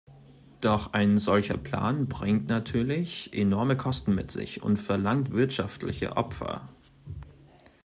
Doch ein solcher Plan bringt natürlich enorme Kosten mit sich und verlangt wirtschaftliche Opfer.